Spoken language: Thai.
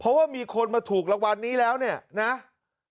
เพราะว่ามีคนมาถูกรางวัลนี้แล้วเนี่ยนะ